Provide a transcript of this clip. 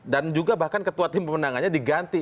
dan juga bahkan ketua tim pemenangannya diganti